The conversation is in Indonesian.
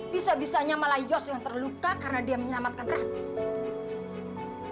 bisa bisanya malah yos yang terluka karena dia menyelamatkan rakyat